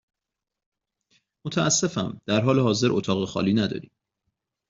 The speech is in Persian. متأسفم، در حال حاضر اتاق خالی نداریم.